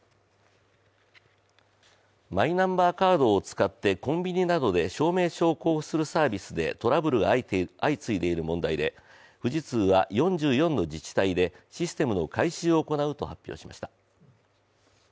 マイナンバーカードを使ってコンビニなどで証明書を交付するサービスでトラブルが相次いでいる問題で富士通は４４の自治体でシステムの改修を行うと発表しました。